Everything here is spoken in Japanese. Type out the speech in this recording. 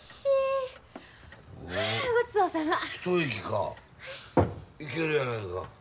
いけるやないか。